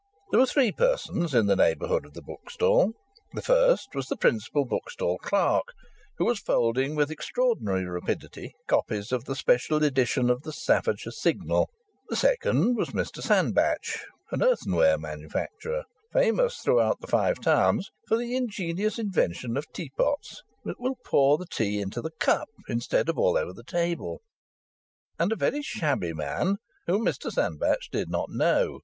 There were three persons in the neighbourhood of the bookstall. The first was the principal bookstall clerk, who was folding with extraordinary rapidity copies of the special edition of the Staffordshire Signal; the second was Mr Sandbach, an earthenware manufacturer, famous throughout the Five Towns for his ingenious invention of teapots that will pour the tea into the cup instead of all over the table; and a very shabby man, whom Mr Sandbach did not know.